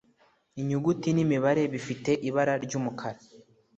Inyuguti n’imibare bifite ibara ry’umukara